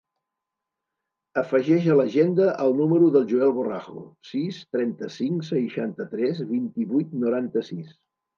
Afegeix a l'agenda el número del Joel Borrajo: sis, trenta-cinc, seixanta-tres, vint-i-vuit, noranta-sis.